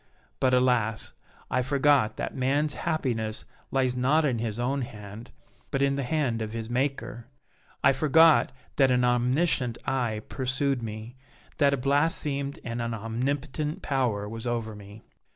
But, alas! I forgot that man's happiness lies not in his own hand, but in the hand of his Maker. I forgot that an omniscient eye pursued me, that a blasphemed and omnipotent Power was over me.